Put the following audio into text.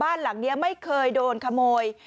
บ้านหลังนี้ไม่เคยโดนขโมย